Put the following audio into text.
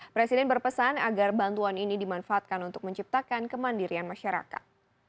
presiden berpesan agar bantuan ini dimanfaatkan untuk menciptakan kemandirian masyarakat